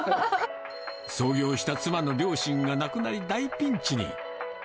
創業した妻の両親が亡くなり、大ピンチに。